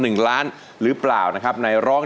ดูเขาเล็ดดมชมเล่นด้วยใจเปิดเลิศ